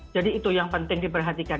jadi itu yang penting diperhatikan